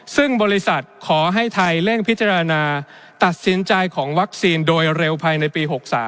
ซึ่งบริษัทขอให้ไทยเร่งพิจารณาตัดสินใจของวัคซีนโดยเร็วภายในปี๖๓